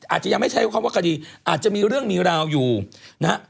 อาจจะยังไม่ใช้คำว่าคดีอาจจะมีเรื่องมีราวอยู่นะฮะ